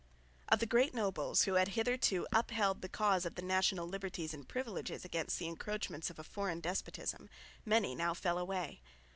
Of the great nobles, who had hitherto upheld the cause of the national liberties and privileges against the encroachments of a foreign despotism, many now fell away.